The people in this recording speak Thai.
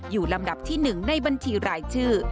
อยู่ลำดับที่หนึ่งในบัญชีรายชื่อ